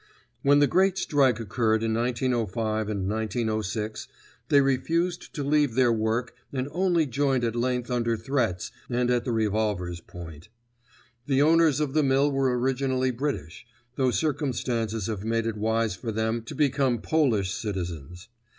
When the great strike occurred in 1905 and 1906, they refused to leave their work and only joined at length under threats and at the revolver's point. The owners of the mill were originally British, though circumstances have made it wise for them to become Polish citizens.